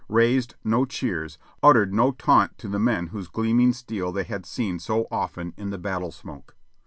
raised no cheers, uttered no taunt to the men whose gleaming steel they had seen so often in the battle smoke.